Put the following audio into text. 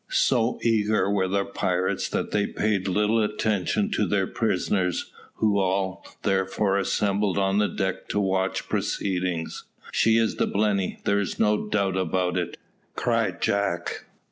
So eager were the pirates that they paid little attention to their prisoners, who all, therefore, assembled on the deck to watch proceedings. "She is the Blenny, there is no doubt about it," cried Jack.